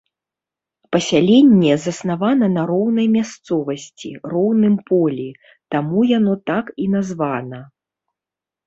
Пасяленне заснавана на роўнай мясцовасці, роўным полі, таму яно так і названа.